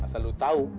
asal lu tahu